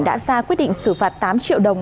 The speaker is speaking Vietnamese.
đã ra quyết định xử phạt tám triệu đồng